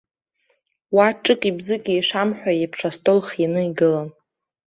Уа ҿыки-бзыки ишамҳәо еиԥш астол хианы игылан.